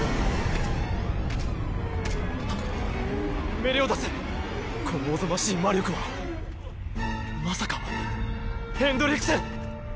メリオダスこのおぞましい魔力はまさかヘンドリクセン！